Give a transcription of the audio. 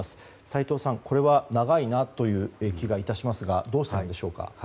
斎藤さん、これは長いなという気が致しますがどうしてなのでしょうか？